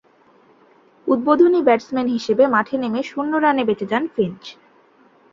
উদ্বোধনী ব্যাটসম্যান হিসেবে মাঠে নেমে শূন্য রানে বেঁচে যান ফিঞ্চ।